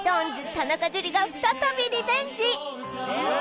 田中樹が再びリベンジ！